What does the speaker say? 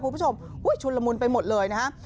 คุณผู้ชมชุนละมุนไปหมดเลยนะฮะ